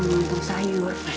ikan kamu untuk sayur